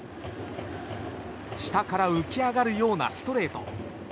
下から浮き上がるようなストレート。